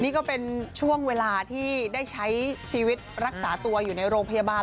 นี่ก็เป็นช่วงเวลาที่ได้ใช้ชีวิตรักษาตัวอยู่ในโรงพยาบาล